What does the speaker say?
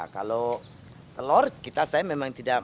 kalau telur kita memang tidak makan sendiri ya